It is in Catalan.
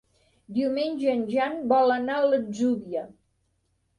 Diumenge en Jan vol anar a l'Atzúbia.